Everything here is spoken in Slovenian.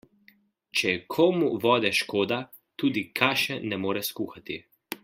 Če je komu vode škoda, tudi kaše ne more skuhati.